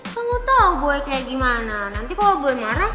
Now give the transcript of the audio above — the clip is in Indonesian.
kamu tau boy kayak gimana nanti kalau boy marah